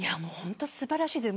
素晴らしいです。